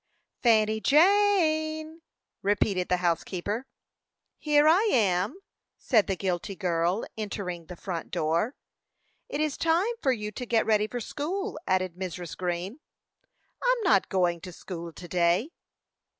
"Fanny Jane!" repeated the housekeeper. "Here I am," said the guilty girl, entering the front door. "It is time for you to get ready for school," added Mrs. Green. "I'm not going to school to day."